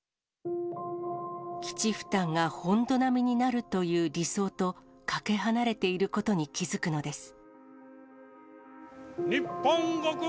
基地負担が本土並みになるという理想と、かけ離れていることに気付くのです。